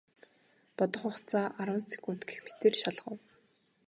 Бодох хугацаа арван секунд гэх мэтээр шалгав.